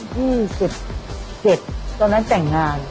ตอนนั้นจัดงาน